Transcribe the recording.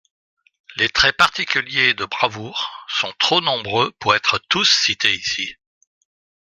Les traits particuliers de bravoure sont trop nombreux pour être tous cités ici.